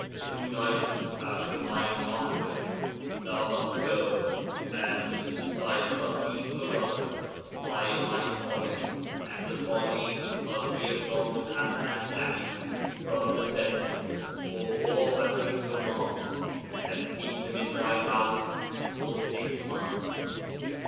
'Two nights after my martyrdom thou must go and, by some means or other, buy my body and the body of Mirza Muḥammad 'Ali from the sentinels for 400 tumāns, and keep them in thy house for six months.